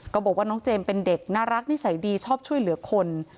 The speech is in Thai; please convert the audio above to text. บอกว่าน้องเจมส์เป็นเด็กน่ารักนิสัยดีชอบช่วยเหลือคน